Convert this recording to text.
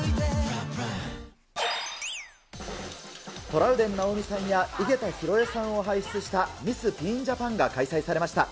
トラウデン直美さんや、井桁弘恵さんを輩出したミスティーンジャパンが開催されました。